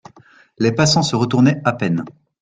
Les passants se retournaient à peine.